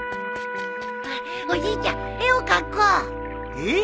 おじいちゃん絵を描こう。